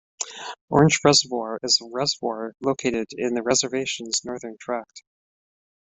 Orange Reservoir is a reservoir located in the reservation's northern tract.